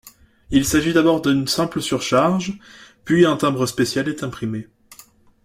Il s'agit d'abord d'une simple surcharge, puis un timbre spécial est imprimé.